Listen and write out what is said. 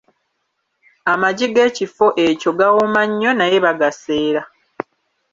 Amagi g'ekifo ekyo gawooma nnyo naye bagaseera.